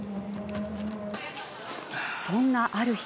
そんなある日。